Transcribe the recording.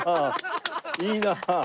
いいなあ！